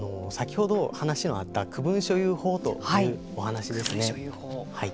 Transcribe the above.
先ほど話のあった区分所有法というお話ですね。